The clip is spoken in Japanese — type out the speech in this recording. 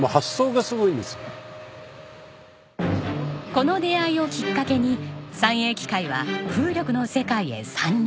この出会いをきっかけに三栄機械は風力の世界へ参入。